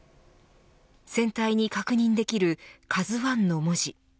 船体に確認できるＫＡＺＵ１の文字。